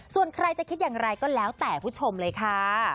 ส่วนใครจะคิดอย่างไรก็แล้วแต่ผู้ชมเลยค่ะ